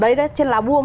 đấy đấy trên lá buông